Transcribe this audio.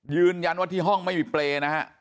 ยืนยันว่าที่ห้องไม่มีเปรย์นะฮะ